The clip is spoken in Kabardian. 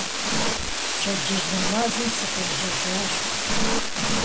Пщэдджыжь нэмэзым сыкъежьэжащ.